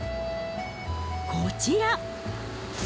こちら。